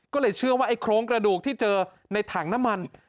ก็เลยเชื่อว่าไอ้โครงกระดูกที่เจอในถังน้ำมัน